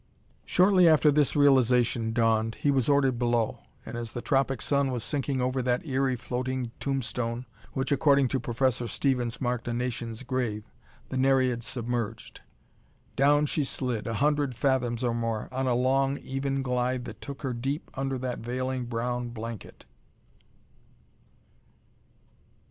Shortly after this realization dawned, he was ordered below, and as the tropic sun was sinking over that eery floating tombstone, which according to Professor Stevens marked a nation's grave, the Nereid submerged. Down she slid, a hundred fathoms or more, on a long, even glide that took her deep under that veiling brown blanket.